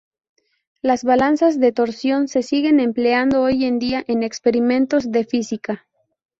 Las balanzas de torsión se siguen empleando hoy en día en experimentos de física.